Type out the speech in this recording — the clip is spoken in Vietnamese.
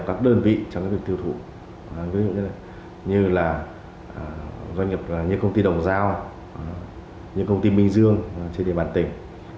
các đơn vị trong việc tiêu thụ như công ty đồng giao công ty minh dương trên địa bàn tỉnh